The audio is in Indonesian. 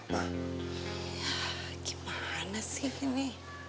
ya gimana sih ini